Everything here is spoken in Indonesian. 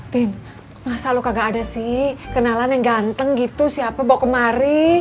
tin masa lo kagak ada sih kenalan yang ganteng gitu siapa bawa kemari